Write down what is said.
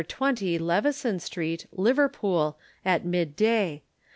20, Leveson Street, Liverpool, at mid day.